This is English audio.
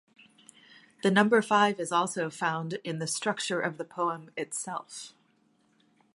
The number five is also found in the structure of the poem itself.